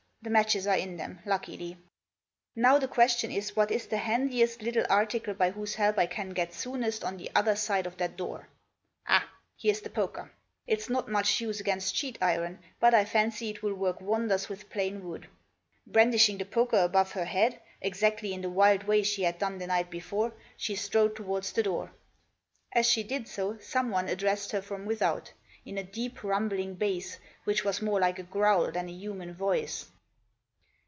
The matches are in them, luckily. Digitized by 143 THE JOSS. Now the question is what is the handiest little article by whose help I can get soonest on the other side of that door. Ah ! here's the poker. It is not much use against sheet iron, but I fancy it will work wonders with plain wood." Brandishing the poker above her head— exactly in the wild way she had done the night before — she strode towards the door. As she did so someone addressed her from without ; in a deep rumbling bass, which was more like a growl than a human voice.